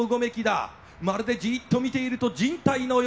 まるでじっと見ていると人体のようだ。